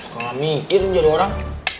suka mikir jadi orang